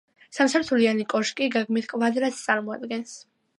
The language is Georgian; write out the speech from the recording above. სამსართულიანი კოშკი გეგმით კვადრატს წარმოადგენს.